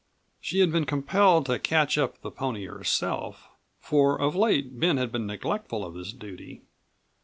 She had been compelled to catch up the pony herself, for of late Ben had been neglectful of this duty.